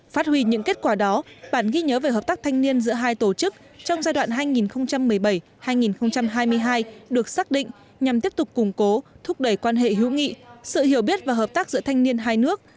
phát huy những kết quả đó bản ghi nhớ về hợp tác thanh niên giữa hai tổ chức trong giai đoạn hai nghìn một mươi bảy hai nghìn hai mươi hai được xác định nhằm tiếp tục củng cố thúc đẩy quan hệ hữu nghị sự hiểu biết và hợp tác giữa thanh niên hai nước